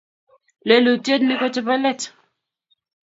lelutyet ni ko chepo let